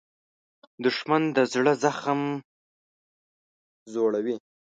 دښمن د زړه زخم زوړوي